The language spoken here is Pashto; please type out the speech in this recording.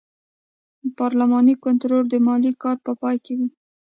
پارلماني کنټرول د مالي کال په پای کې وي.